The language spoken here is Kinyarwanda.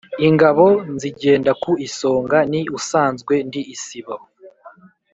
Ingabo nzigenda ku isonga, ni usanzwe ndi isibo